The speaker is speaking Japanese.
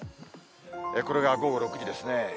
これが午後６時ですね。